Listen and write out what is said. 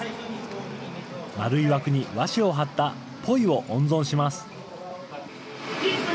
丸い枠に和紙を貼ったポイを温存します。